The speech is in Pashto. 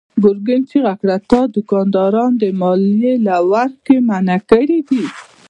ګرګين چيغه کړه: تا دوکانداران د ماليې له ورکړې منع کړي دي.